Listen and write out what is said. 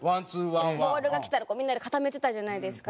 ボールがきたら、みんなで固めてたじゃないですか。